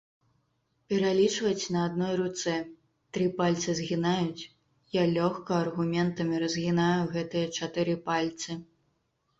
Пералічваць на адной руцэ, тры пальцы згінаюць, я лёгка аргументамі разгінаю гэтыя чатыры пальцы.